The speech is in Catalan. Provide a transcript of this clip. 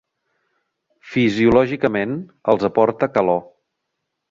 Fisiològicament els aporta calor.